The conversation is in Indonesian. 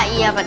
iya pak de